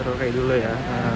terlalu pengen dulu ya